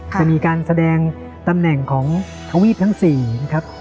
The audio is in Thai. จะมีการแสดงตำแหน่งของทวีปทั้ง๔นะครับ